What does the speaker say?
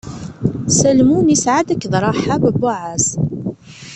Salmun isɛa-d akked Raḥab Buɛaz.